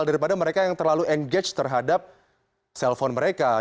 daripada mereka yang terlalu engage terhadap cellphone mereka